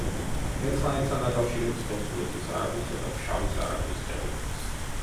ერთმანეთთან აკავშირებს ხევსურეთის არაგვისა და ფშავის არაგვის ხეობებს.